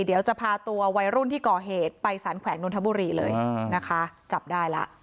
เดี๋ยวจะพาตัววัยรุ่นที่ก่อเหตุไปสารแขวงนนทบุรีเลยนะคะจับได้แล้ว